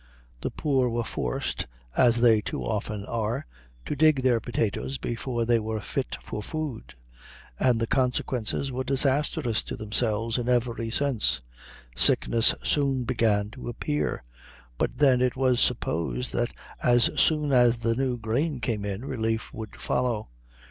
The poor were forced, as they too often are, to dig their potatoes before they were fit for food; and the consequences were disastrous to themselves in every sense. Sickness soon began to appear; but then it was supposed that as soon as the new grain came in, relief would follow.